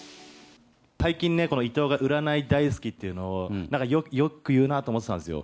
最近ね、この伊藤が、占い大好きっていうのをなんかよく言うなと思ってたんですよ。